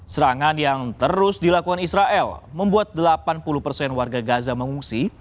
serangan yang terus dilakukan israel membuat delapan puluh persen warga gaza mengungsi